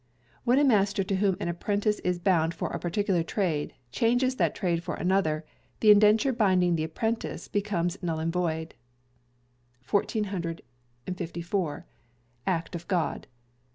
When a Master to whom an Apprentice is bound for a particular trade, changes that trade for another, the indenture binding the apprentice becomes null and void. 1454. Act of God.